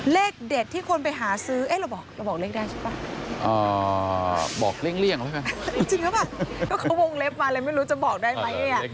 เลขเด็ดที่คนไปหาซื้อเอ๊ะเราบอกเลขได้ใช่ป่ะ